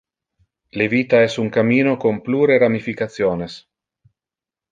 Le vita es un cammino con plure ramificationes.